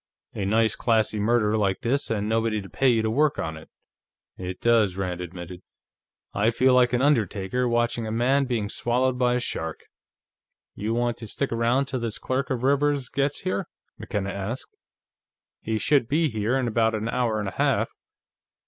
"A nice classy murder like this, and nobody to pay you to work on it." "It does," Rand admitted. "I feel like an undertaker watching a man being swallowed by a shark." "You want to stick around till this clerk of Rivers's gets here?" McKenna asked. "He should be here in about an hour and a half."